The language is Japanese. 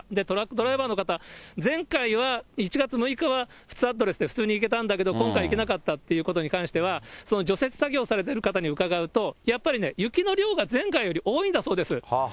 トラックドライバーの方、前回は、１月６日はスタッドレスで普通に行けたんだけども、今回行けなかったということに関しては、除雪作業をされてる方に伺うと、やっぱりね、雪の量が前回より多いんだそうです。